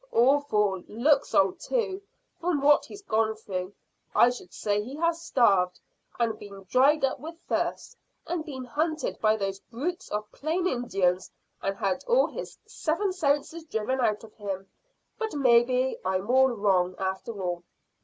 Awful. Looks old too, from what he's gone through. I should say he has starved, and been dried up with thirst, and been hunted by those brutes of plain Indians, and had all his seven senses driven out of him. But maybe I'm all wrong, after all."